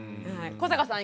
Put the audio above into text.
古坂さん